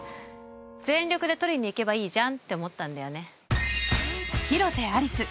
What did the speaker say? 全力で取りにいけばいいじゃんって思ったんだよね